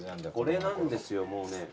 これなんですよもうね。